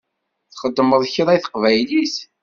Txedmeḍ kra i teqbaylit?